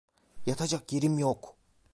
Yatacak yerim yok!